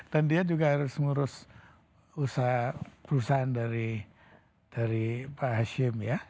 dan dia juga harus ngurus usaha perusahaan dari pak hashim ya